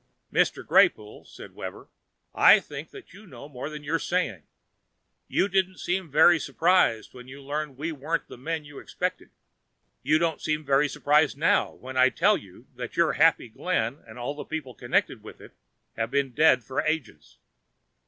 "Mr. Greypoole," Webber said, "I think that you know more than you're saying. You didn't seem very surprised when you learned we weren't the men you expected; you don't seem very surprised now that I tell you that your 'Happy Glades' and all the people connected with it have been dead for ages.